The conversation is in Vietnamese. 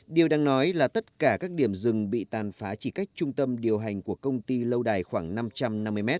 điều đang nói là tất cả các điểm rừng bị tàn phá chỉ cách trung tâm điều hành của công ty lâu đài khoảng năm trăm năm mươi m